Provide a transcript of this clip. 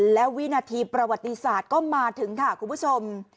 และวินาทีประวัติศาสตร์ก็มาถึงค่ะคุณผู้ชม